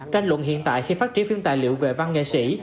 tranh luận hiện tại khi phát triển phim tài liệu về văn nghệ sĩ